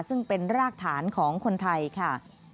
ซึ่งเป็นรากฐานของคนไทยค่ะ